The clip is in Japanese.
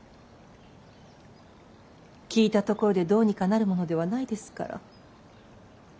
聞いたところでどうにかなるものではないですから。